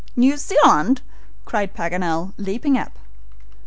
"New Zealand!" cried Paganel, leaping up.